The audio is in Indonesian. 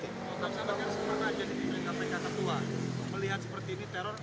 kalau tak sabar jadi pimpinan kpk tertua melihat seperti ini teror